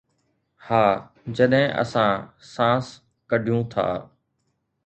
ها، جڏهن اسان سانس ڪڍيون ٿا